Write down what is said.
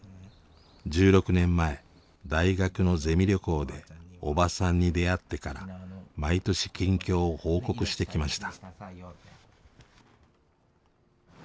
１６年前大学のゼミ旅行でおばさんに出会ってから毎年近況を報告してきました。